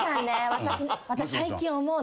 私最近思うの。